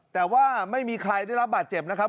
แต่ว่าไม่มีใครได้รับบาดเจ็บนะครับ